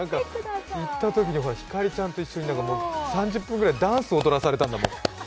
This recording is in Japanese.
行ったときに星ちゃんと一緒に３０分ぐらいダンスを踊らせられたんだもん。